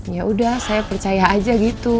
yaudah saya percaya aja gitu